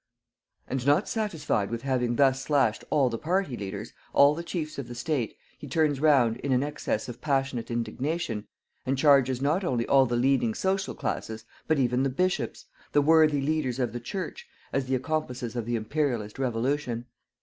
And not satisfied with having thus slashed all the party leaders, all the chiefs of the State, he turns round, in an access of passionate indignation, and charges not only all the leading social classes, but even the Bishops, the worthy leaders of the Church, as the accomplices of the Imperialist revolution.